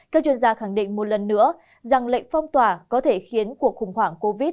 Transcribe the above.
các chuyên gia khẳng định một lần nữa rằng lệnh phong tỏa có thể khiến cuộc khủng hoảng covid một mươi chín